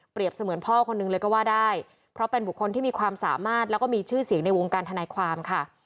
เสมือนพ่อคนนึงเลยก็ว่าได้เพราะเป็นบุคคลที่มีความสามารถแล้วก็มีชื่อเสียงในวงการทนายความค่ะ